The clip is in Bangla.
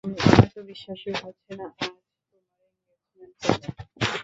আমার তো বিশ্বাসই হচ্ছে না আজ তোমার এঙ্গেসমেন্ট হবে।